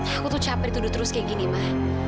aku tuh capek dituduh terus kayak gini ma